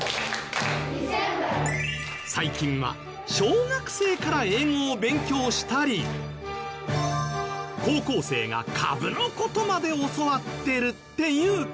最近は小学生から英語を勉強したり高校生が株の事まで教わってるっていうけれど